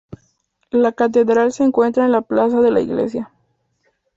La catedral se encuentra en la Plaza de la Iglesia.